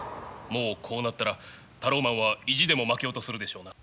もうこうなったらタローマンは意地でも負けようとするでしょうな。